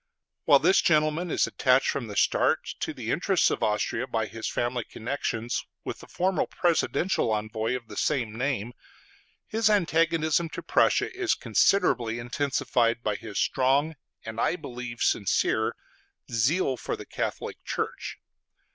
While this gentleman is attached from the start to the interests of Austria by his family connections with the former presidential envoy of the same name, his antagonism to Prussia is considerably intensified by his strong, and I believe sincere, zeal for the Catholic Church.